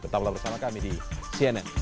tetaplah bersama kami di cnn